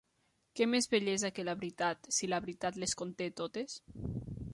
Què més bellesa que la veritat, si la veritat les conté totes?